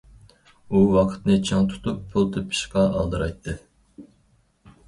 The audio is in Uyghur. ئۇ ۋاقىتنى چىڭ تۇتۇپ پۇل تېپىشقا ئالدىرايتتى.